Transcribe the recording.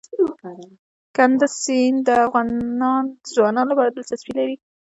کندز سیند د افغان ځوانانو لپاره دلچسپي لري.